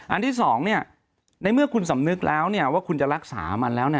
อันที่๒ในเมื่อคุณสำนึกแล้วว่าคุณจะรักษามันแล้ว